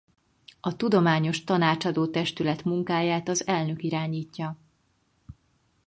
A Tudományos Tanácsadó Testület munkáját az elnök irányítja.